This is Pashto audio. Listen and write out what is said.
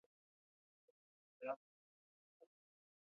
ازادي راډیو د عدالت په اړه د پېښو رپوټونه ورکړي.